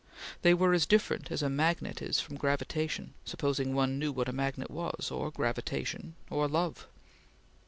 They were as different as a magnet is from gravitation, supposing one knew what a magnet was, or gravitation, or love.